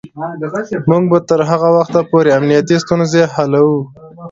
موږ به تر هغه وخته پورې امنیتی ستونزې حلوو.